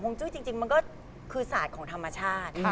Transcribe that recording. จุ้ยจริงมันก็คือศาสตร์ของธรรมชาติ